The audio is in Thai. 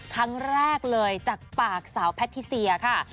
ครั้งแรกเลยจากปากสาวแพทิเซียค่ะ